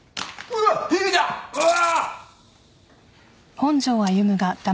うわ！